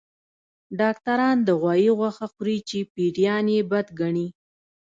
ډاکټران د غوايي غوښه خوري چې پيريان يې بد ګڼي